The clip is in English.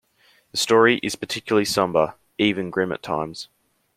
The story is particularly sombre, even grim at times.